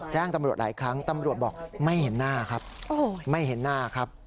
แจ้งตำรวจหลายครั้งตำรวจบอกไม่เห็นหน้าครับ